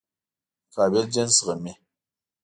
مقابل جنس زغمي.